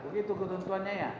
begitu keuntungannya ya